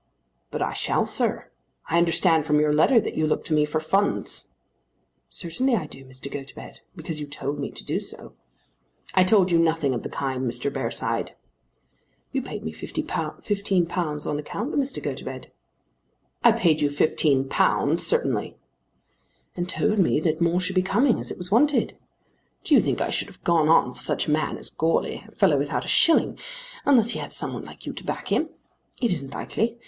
"But I shall, sir. I understand from your letter that you look to me for funds." "Certainly I do, Mr. Gotobed; because you told me to do so." "I told you nothing of the kind, Mr. Bearside." "You paid me £15 on account, Mr. Gotobed." "I paid you £15 certainly." "And told me that more should be coming as it was wanted. Do you think I should have gone on for such a man as Goarly, a fellow without a shilling, unless he had some one like you to back him? It isn't likely.